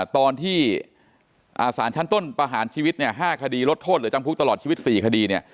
ตอนที่สารชั้นต้นประหารชีวิตเนี่ย๕คดีลดโทษเหลือจำคุกตลอดชีวิต๔คดีเนี่ย